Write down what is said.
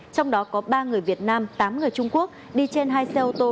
trong đó có ba người việt nam tám người trung quốc đi trên hai xe ô tô